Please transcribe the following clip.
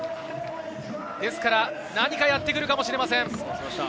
何かやってくるかもしれません。